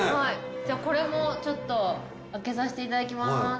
じゃこれもちょっと開けさせていただきます。